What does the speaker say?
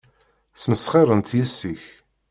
Ssmesxirent yes-k.